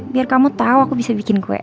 biar kamu tau aku bisa bikin kue enak